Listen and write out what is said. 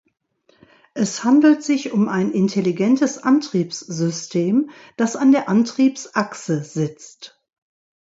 Es handelt sich um ein intelligentes Antriebssystem, das an der Antriebsachse sitzt.